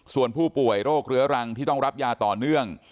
ส่วนผู้ป่วยโรคเรื้อรังที่ต้องรับยาต่อเนื่อง